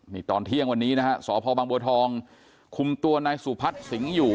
นี่ตอนเที่ยงวันนี้นะฮะสพบังบัวทองคุมตัวนายสุพัฒน์สิงห์อยู่